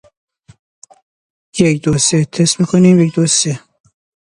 زبان دیاری